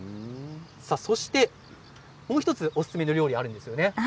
そしてもう１つおすすめの料理があるんですよね。